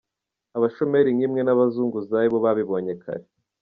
Abashomeri nkimwe nabazunguzayi bo babibonye kare.